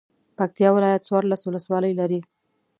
پکتیا ولایت څوارلس ولسوالۍ لري.